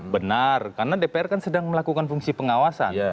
benar karena dpr kan sedang melakukan fungsi pengawasan